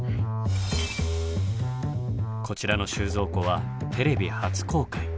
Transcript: こちらの収蔵庫はテレビ初公開。